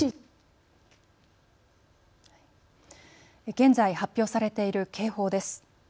現在、発表されている警報です。